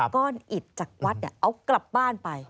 ก้อนอิดจากวัดเอากลับบ้านไป